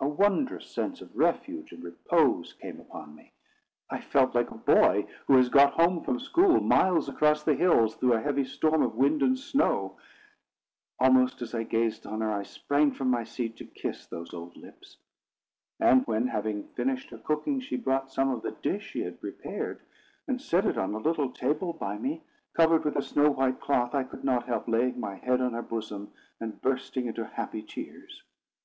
A wondrous sense of refuge and repose came upon me. I felt like a boy who has got home from school, miles across the hills, through a heavy storm of wind and snow. Almost, as I gazed on her, I sprang from my seat to kiss those old lips. And when, having finished her cooking, she brought some of the dish she had prepared, and set it on a little table by me, covered with a snow white cloth, I could not help laying my head on her bosom, and bursting into happy tears.